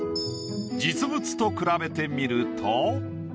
実物と比べてみると。